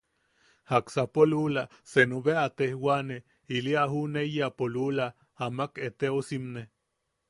Jaksapo luula senu bea a tejwane, ili a juʼuneiyapo luula amak eteosimne.